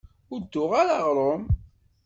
Ur d-tuɣ ara aɣṛum.